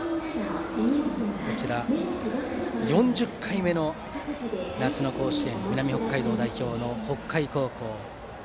４０回目の夏の甲子園南北海道代表の北海高校。